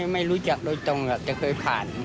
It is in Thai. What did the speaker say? ไม่รู้จักโดยตรงจะเคยผ่าน